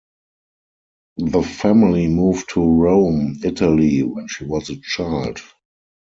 The family moved to Rome, Italy when she was a child.